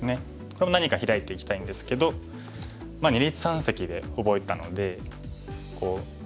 これも何かヒラいていきたいんですけど二立三析で覚えたのでこう３つありますよね。